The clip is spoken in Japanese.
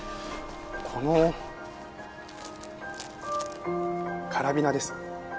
このカラビナです。